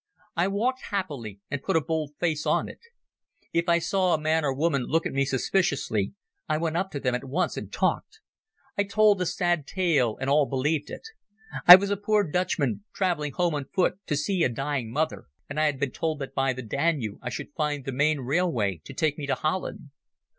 I walked happily and put a bold face on it. If I saw a man or woman look at me suspiciously I went up to them at once and talked. I told a sad tale, and all believed it. I was a poor Dutchman travelling home on foot to see a dying mother, and I had been told that by the Danube I should find the main railway to take me to Holland.